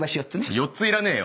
４ついらねえよ。